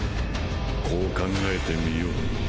こう考えてみよう。